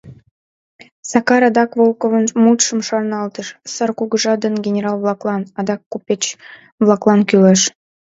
Сакар адак Волковын мутшым шарналтыш: «Сар кугыжа ден генерал-влаклан, адак купеч-влаклан кӱлеш».